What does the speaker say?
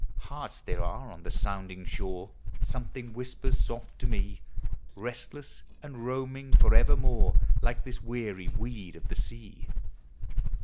Hearts there are on the sounding shore, Something whispers soft to me. Restless and roaming forevermore, Like this weary weed of the sea ; THE SEA.